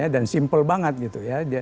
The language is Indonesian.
dan simpel banget gitu ya